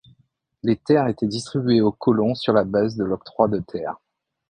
Les terres étaient distribuées aux colons sur la base de l'octroi de terre.